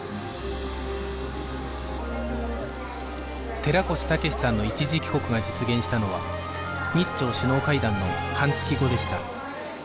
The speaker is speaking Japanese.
寺越武志さんの一時帰国が実現したのは日朝首脳会談の半月後でした